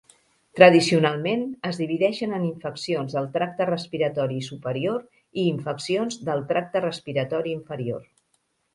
Tradicionalment, es divideixen en infeccions del tracte respiratori superior i infeccions del tracte respiratori inferior.